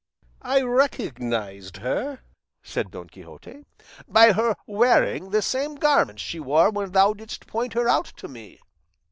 "I recognised her," said Don Quixote, "by her wearing the same garments she wore when thou didst point her out to me.